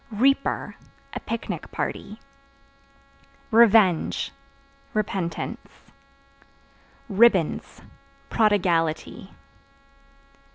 Reaper A picnic party. Revenge Repentance. Ribbons Prodigality.